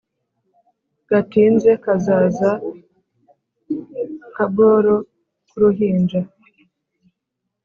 Gatinze kazaza nkaboro k'uruhinja.